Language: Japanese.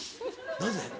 なぜ？